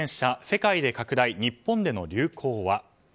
世界で拡大、日本での流行は？